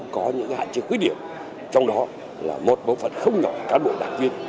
có những hạn chế khuyết điểm trong đó là một bộ phận không nhỏ cán bộ đảng viên